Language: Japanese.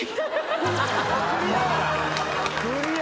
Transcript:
クリア。